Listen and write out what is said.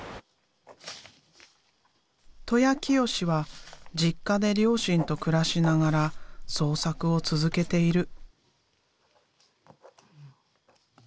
戸舎清志は実家で両親と暮らしながら創作を続けている。